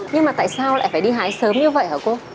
nhưng mà tại sao lại phải đi hái sớm như vậy hả cô